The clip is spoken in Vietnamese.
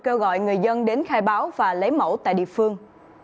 kêu gọi người dân đến khai báo và lấy mẫu tại địa phương